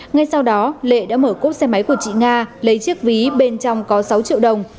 ngay sau đó lệ đã mở cốp xe máy của chị nga lấy chiếc ví bên trong có sáu triệu đồng